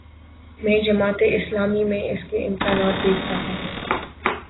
میں جماعت اسلامی میں اس کے امکانات دیکھ رہا ہوں۔